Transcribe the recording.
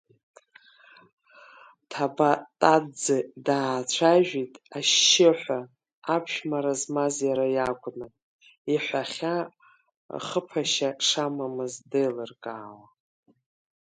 Ҭабатаӡе даацәажәеит ашьшьыҳәа, аԥшәмара змаз иара иакәны, иҳәахьа хыԥашьа шамамыз деилыркаауа…